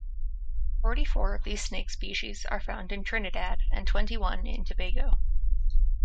Forty-four of these snake species are found in Trinidad and twenty-one in Tobago.